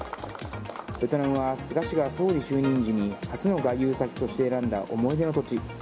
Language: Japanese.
ベトナムは菅氏が総理主任時に初の外遊先として選んだ思い出の土地。